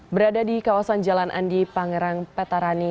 berada di kawasan jalan andi pangerang petarani